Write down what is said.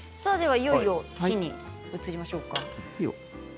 いよいよ火に移りましょうか。